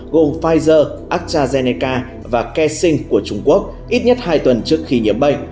gồm pfizer astrazeneca và keing của trung quốc ít nhất hai tuần trước khi nhiễm bệnh